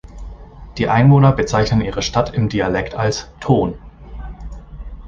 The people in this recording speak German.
Die Einwohner bezeichnen ihre Stadt im Dialekt als „Toon“.